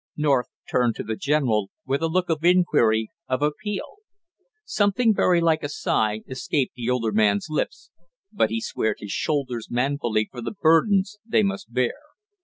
North turned to the general with a look of inquiry, of appeal. Something very like a sigh escaped the older man's lips, but he squared his shoulders manfully for the burdens they must bear.